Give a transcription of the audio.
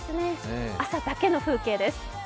朝だけの風景です。